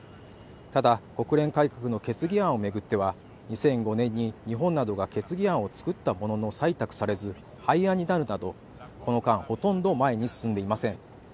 ただ国連改革の決議案をめぐっては２００５年に日本などが決議案を作ったものの採択されず廃案になるなどこの間ほとんど前に進んでいません